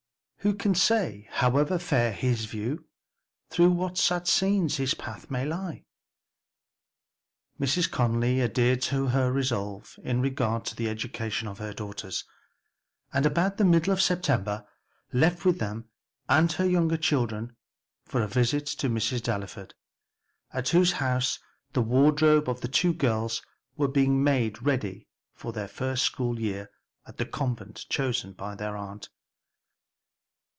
who can say, however fair his view, Through what sad scenes his path may lie?" Mrs. Conly adhered to her resolve in regard to the education of her daughters, and about the middle of September left with them and her younger children for a visit to Mrs. Delaford, at whose house the wardrobes of the two girls were to be made ready for their first school year at the convent chosen by their aunt.